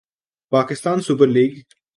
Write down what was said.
Pakistan super league